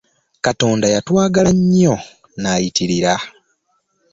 Katonda yatwagala nnyo nayitirira!